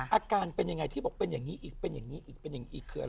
อาการเป็นยังไงที่บอกเป็นอย่างนี้อีกเป็นอย่างนี้อีกเป็นอย่างนี้อีกคืออะไร